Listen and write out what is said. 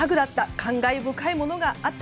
感慨深いものがあった。